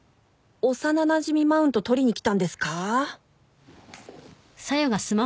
幼なじみマウント取りに来たんですか？